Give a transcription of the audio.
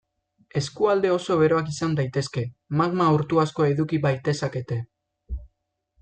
Eskualde oso beroak izan daitezke, magma urtu asko eduki baitezakete.